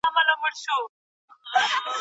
سوسیالیزم د خلګو په ګټه دی.